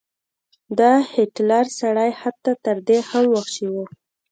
دا هټلر سړی حتی تر دې هم وحشي و.